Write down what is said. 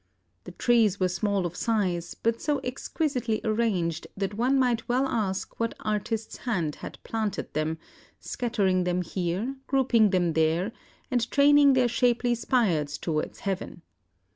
The trees were small of size, but so exquisitely arranged that one might well ask what artist's hand had planted them scattering them here, grouping them there, and training their shapely spires towards heaven.